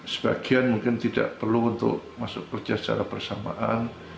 sebagian mungkin tidak perlu untuk masuk kerja secara bersamaan